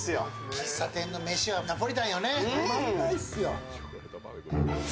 喫茶店のメシはナポリタンですよね。